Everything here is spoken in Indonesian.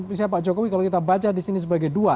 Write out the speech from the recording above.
misalnya pak jokowi kalau kita baca disini sebagai dua